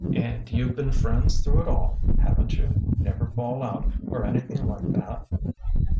'' And you Ve been friends through it all, have n't you ? Never fall out, or anything like that?"